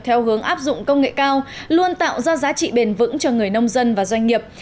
theo hướng áp dụng công nghệ cao luôn tạo ra giá trị bền vững cho người nông dân và doanh nghiệp